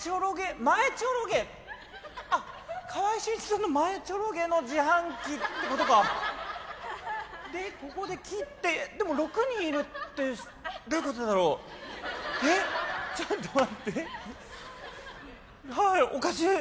川合俊一さんの前チョロ毛の自販機ってことかでここで切ってでも６人いるってどういうことだろうえちょっと待っておかしい